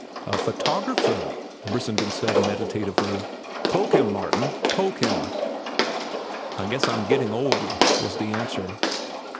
"A photographer," Brissenden said meditatively. "Poke him, Martin! Poke him!" "I guess I'm getting old," was the answer.